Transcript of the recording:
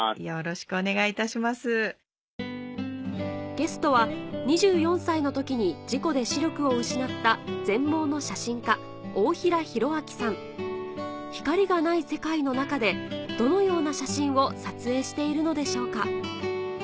ゲストは２４歳の時に事故で視力を失った光がない世界の中でどのような写真を撮影しているのでしょうか